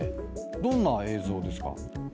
どんな映像ですか？